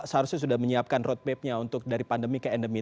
seharusnya sudah menyiapkan roadmapnya untuk dari pandemi ke endemi